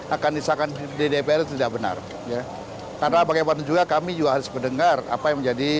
akan disahkan di dpr itu tidak benar ya karena bagaimana juga kami juga harus mendengar apa yang menjadi